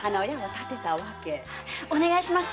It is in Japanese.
お願いします